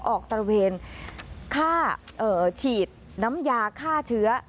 ออกตระเวนฉีดน้ำยาค่าเชื้อ